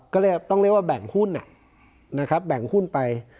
ก็เลยต้องเรียกว่าแบ่งหุ้นนะครับแบ่งหุ้นไป